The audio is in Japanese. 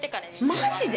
マジで？